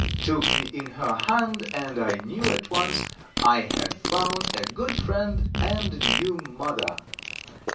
took me in her hand and I knew at once I had found a good friend and new mother.